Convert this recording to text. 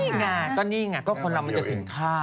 นี่ไงก็นี่ไงก็คนเรามันจะถึงฆ่า